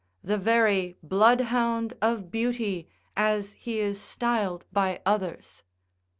the very bloodhound of beauty, as he is styled by others.